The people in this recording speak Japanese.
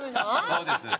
そうです。